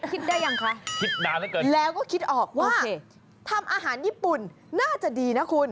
คิดได้ยังคะแล้วก็คิดออกว่าทำอาหารญี่ปุ่นน่าจะดีนะคุณ